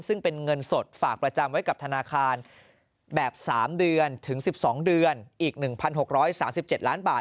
ซึ่งเป็นเงินสดฝากประจำไว้กับธนาคารแบบ๓เดือนถึง๑๒เดือนอีก๑๖๓๗ล้านบาท